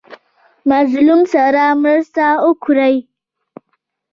مظلوم سره مرسته وکړئ